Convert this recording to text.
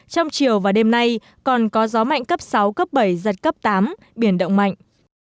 trong chiều và đêm nay còn có gió mạnh cấp sáu cấp bảy giật cấp tám biển động mạnh